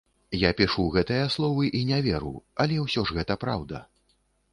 Я пішу гэтыя словы і не веру, але ўсё ж гэта праўда.